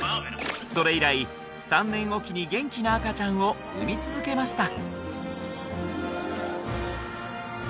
それ以来３年おきに元気な赤ちゃんを産み続けました